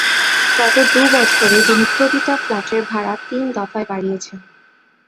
গত দুবছরে তিনি প্রতিটা ফ্লাটের ভাড়া তিন দফায় বাড়িয়েছেন।